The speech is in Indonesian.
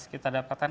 harus kita dapatkan